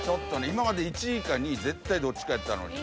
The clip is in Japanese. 今まで１位か２位絶対どっちかやったのに。